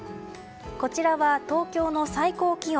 こちらは、東京の最高気温。